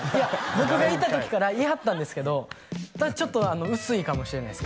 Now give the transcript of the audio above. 僕がいた時からいはったんですけどちょっと薄いかもしれないです